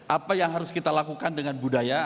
apa yang harus kita lakukan dengan budaya